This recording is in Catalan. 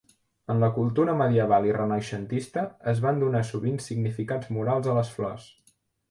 En la cultura medieval i renaixentista, es van donar sovint significats morals a les flors.